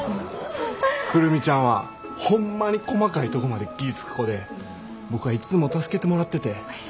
久留美ちゃんはホンマに細かいとこまで気ぃ付く子で僕はいっつも助けてもらってて。